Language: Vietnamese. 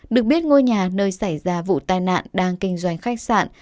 được biết ngôi nhà nơi xảy ra vụ tai nạn đang kinh doanh khách sạn